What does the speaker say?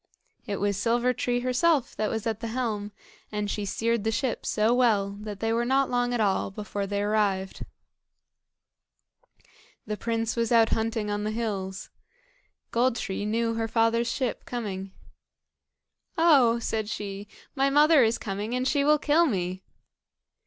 It was Silver tree herself that was at the helm, and she steered the ship so well that they were not long at all before they arrived. The prince was out hunting on the hills. Gold tree knew her father's ship coming. "Oh!" said she, "my mother is coming, and she will kill me."